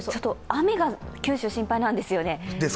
雨が九州、心配なんですよね。